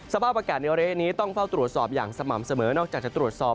สภาพอากาศในระยะนี้ต้องเฝ้าตรวจสอบอย่างสม่ำเสมอนอกจากจะตรวจสอบ